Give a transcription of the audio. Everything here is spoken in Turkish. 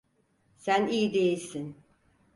Sen iyi değilsin.